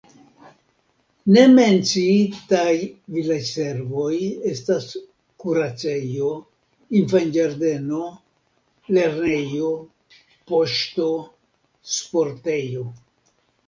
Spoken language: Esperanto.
Ne menciitaj vilaĝservoj estas kuracejo, infanĝardeno, lernejo, poŝto, sportejo.